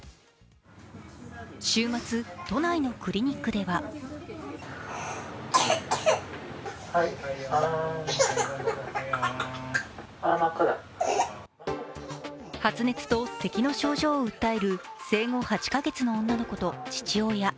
週末、都内のクリニックでは発熱とせきの症状を訴える生後８か月の女の子と父親。